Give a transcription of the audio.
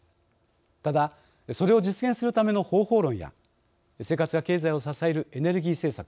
ただそれを実現するための方法論や生活や経済を支えるエネルギー政策